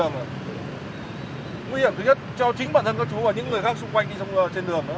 nguy hiểm thứ nhất cho chính bản thân các chú và những người khác xung quanh đi trên đường